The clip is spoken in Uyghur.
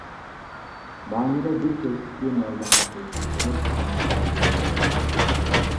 ماھىرە بىر كەچلىكى مەۋلانغا تېلېفون قىلىپ شۇنداق دېگەنىدى.